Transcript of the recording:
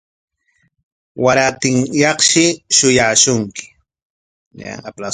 Warantinyaqshi shuyaashunki.